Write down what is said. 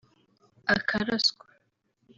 akaraswa